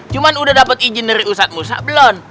cuman udah dapet izin dari ustadz musa belum